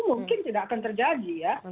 mungkin tidak akan terjadi ya